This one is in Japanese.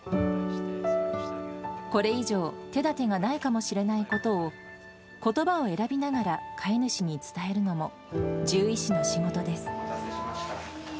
これ以上、手だてがないかもしれないことを、ことばを選びながら飼い主に伝えるのも、獣医師の仕事です。